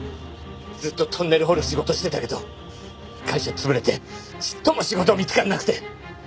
ずっとトンネル掘る仕事してたけど会社潰れてちっとも仕事見つからなくて。